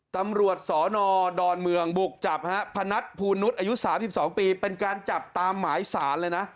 ตำรวจสนดอนเมืองบุกจับฮะพนัทภูนุษย์อายุ๓๒ปีเป็นการจับตามหมายสารเลยนะ